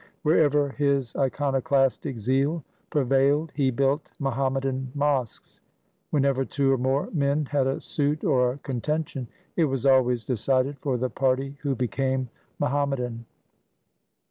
Wherever his iconoclastic zeal prevailed he built Muhammadan mosques. Whenever two or more men had a suit or a contention, it was always decided for the party who became Muhammadan.